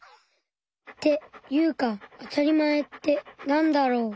っていうかあたりまえってなんだろう？